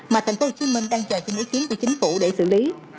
mà tp hcm đang chờ xin ý kiến của chính phủ để xử lý